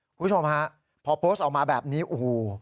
คุณผู้ชมฮะพอโพสต์ออกมาแบบนี้โอ้โห